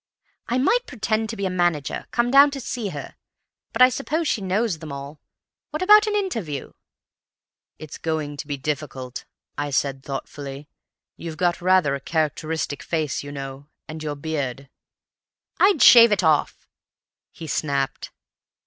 "'I might pretend to be a manager, come down to see her—but I suppose she knows them all. What about an interviewer?' "'It's going to be difficult,' I said thoughtfully. 'You've got rather a characteristic face, you know. And your beard—' "'I'd shave it off,' he snapped.